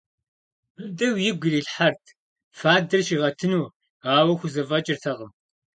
Быдэу игу ирилъхьэрт фадэр щигъэтыну, ауэ хузэфӏэкӏыртэкъым.